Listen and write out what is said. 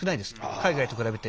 海外と比べて。